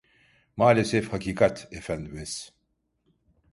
Maalesef hakikat efendimiz…